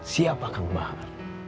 siapa kang bahar